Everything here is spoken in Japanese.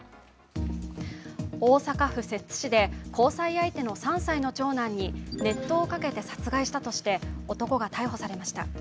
大阪府摂津市で交際相手の３歳の長男に熱湯をかけて殺害したとして男が逮捕されました。